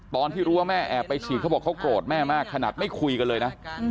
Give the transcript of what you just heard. ตอนที่รู้ว่าแม่แอบไปฉีดเขาบอกเขาโกรธแม่มากขนาดไม่คุยกันเลยนะ